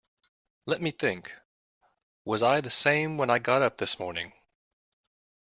Let me think: was I the same when I got up this morning?